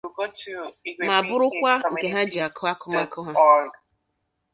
ma bụrụkwa nke ha ji akụ akụmakụ ha.